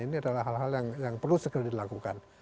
ini adalah hal hal yang perlu segera dilakukan